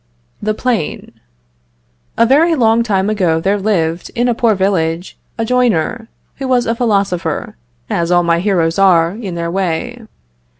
THE PLANE. A very long time ago there lived, in a poor village, a joiner, who was a philosopher, as all my heroes are, in their way.